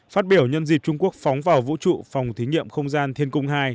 phát biểu nhân dịp trung quốc phóng vào vũ trụ phòng thí nghiệm không gian thiên cung hai